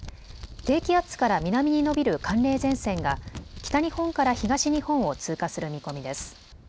低気圧から南に延びる寒冷前線が北日本から東日本を通過する見込みです。